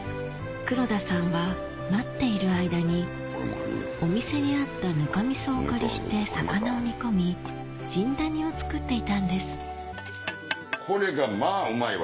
黒田さんは待っている間にお店にあったぬか味噌をお借りして魚を煮込みじんだ煮を作っていたんですこれがまぁうまいわ！